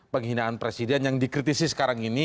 penghinaan presiden yang dikritisi sekarang ini